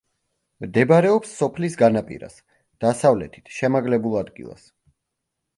მდებარეობს სოფლის განაპირას, დასავლეთით, შემაღლებულ ადგილას.